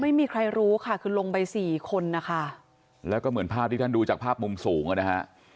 ไม่มีใครรู้ค่ะคือลงไปสี่คนนะคะแล้วก็เหมือนภาพที่ท่านดูจากภาพมุมสูงอ่ะนะฮะ